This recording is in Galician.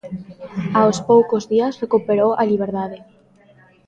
Aos poucos días recuperou a liberdade.